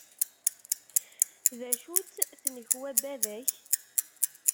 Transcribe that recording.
D acu-tt tnekwa n baba-k?